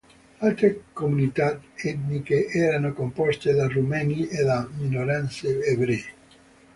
Altre comunità etniche erano composte da rumeni e da minoranze ebree.